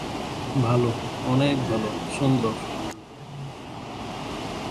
অনেক সময়ই দেখা যায় খেলার ফলাফল কেবল টসের পরই নির্ধারিত হয়ে যায়।